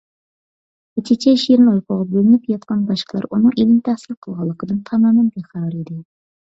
كېچىچە شېرىن ئۇيقۇغا بۆلىنىپ ياتقان باشقىلار ئۇنىڭ ئىلىم تەھسىل قىلغانلىقىدىن تامامەن بىخەۋەر ئىدى.